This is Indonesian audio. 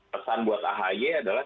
pesan buat ahy adalah